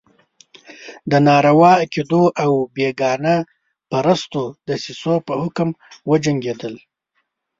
د ناروا عقدو او بېګانه پرستو دسیسو په حکم وجنګېدل.